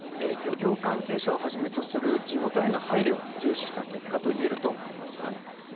漁業関係者をはじめとする地元への配慮を重視した結果と言えると思います。